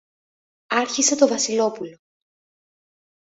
άρχισε το Βασιλόπουλο.